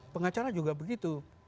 pengacara juga begitu